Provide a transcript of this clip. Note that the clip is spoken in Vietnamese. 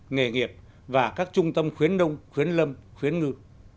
nghề nghiệp và các trung tâm khuyến nông khuyến lâm khuyến ngư